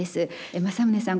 正宗さん